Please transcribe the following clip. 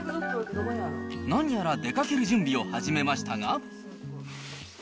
何やら出かける準備を始めましたが。